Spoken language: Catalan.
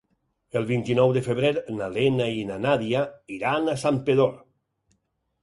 El vint-i-nou de febrer na Lena i na Nàdia iran a Santpedor.